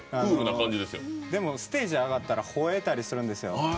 ステージ上がったらほえたりするんですよ。